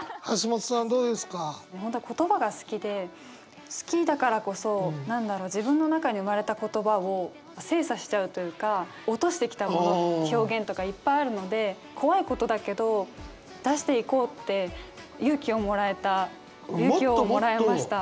もう本当言葉が好きで好きだからこそ何だろう自分の中に生まれた言葉を精査しちゃうというか落としてきた表現とかいっぱいあるので怖いことだけど出していこうって勇気をもらえました。